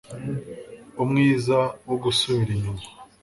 Umwiza wo gusubira inyuma